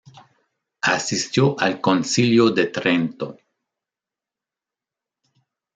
Asistió al Concilio de Trento.